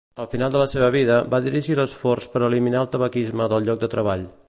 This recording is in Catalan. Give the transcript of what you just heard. Al final de la seva vida, va dirigir l'esforç per eliminar el tabaquisme del lloc de treball.